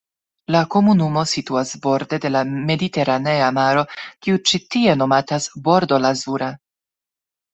La komunumo situas borde de la Mediteranea Maro, kiu ĉi tie nomatas Bordo Lazura.